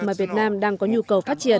mà việt nam đang có nhu cầu phát triển